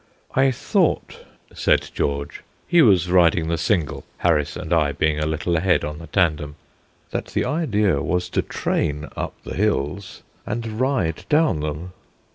"I thought," said George he was riding the single, Harris and I being a little ahead on the tandem "that the idea was to train up the hills and ride down them."